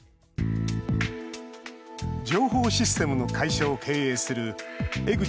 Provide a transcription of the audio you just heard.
情報システムの会社を経営する江口